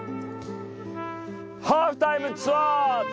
『ハーフタイムツアーズ』！